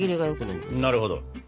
なるほど。